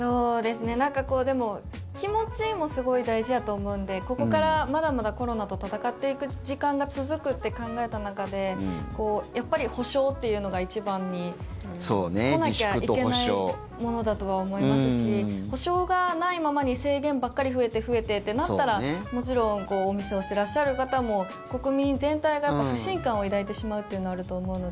でも、気持ちもすごい大事やと思うんでここからまだまだコロナと闘っていく時間が続くって考えた中でやっぱり補償っていうのが一番に来なきゃいけないものだとは思いますし補償がないままに制限ばっかり増えて増えてってなったらもちろんお店をしてらっしゃる方も国民全体が不信感を抱いてしまうっていうのはあると思うので。